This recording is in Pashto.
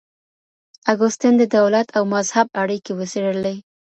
اګوستين د دولت او مذهب اړيکي وڅېړلې.